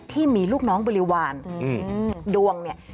ที่มีลูกน้องบริวารดวงเนี่ย